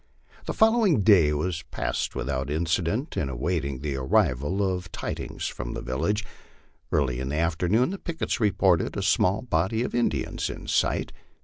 The following day was passed without incident in awaiting the arrival of ti dings from the village. Early in the afternoon the pickets reported a small body of Indians in sight.